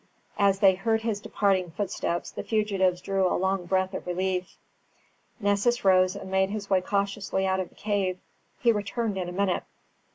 As they heard his departing footsteps the fugitives drew a long breath of relief. Nessus rose and made his way cautiously out of the cave. He returned in a minute.